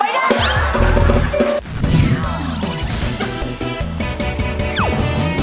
ไม่ได้